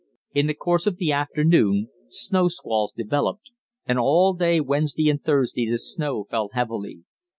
In the course of the afternoon snow squalls developed, and all day Wednesday and Thursday the snow fell heavily.